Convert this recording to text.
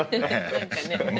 何かね。